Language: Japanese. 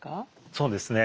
そうですね